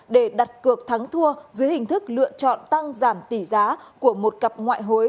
để đặt cược thắng thua dưới hình thức lựa chọn tăng giảm tỷ giá của một cặp ngoại hối